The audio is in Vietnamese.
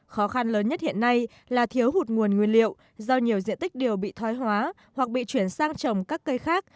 khó khăn lớn nhất hiện nay là thiếu hụt nguồn nguyên liệu do nhiều diện tích điều bị thoái hóa hoặc bị chuyển sang trồng các cây khác